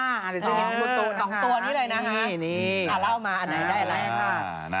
เดี๋ยวจะเห็นบนโต๊ะนะคะนี่นี่นี่อ่ะเล่ามาอันไหนได้อะไรค่ะ